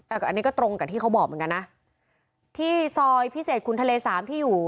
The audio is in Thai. อันนี้ก็ตรงกับที่เขาบอกเหมือนกันนะที่ซอยพิเศษคุณทะเลสามที่อยู่